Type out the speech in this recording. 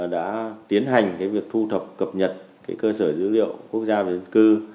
đã tiến hành cái việc thu thập cập nhật cái cơ sở dữ liệu quốc gia và dân cư